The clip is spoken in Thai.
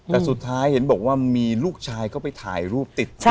แต่สุดท้ายเห็นบอกว่ามีลูกชายก็ไปถ่ายรูปติดไฟ